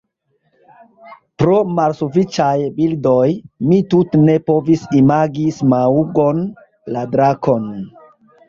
Pro malsufiĉaj bildoj mi tute ne povis imagi Smaŭgon, la drakon.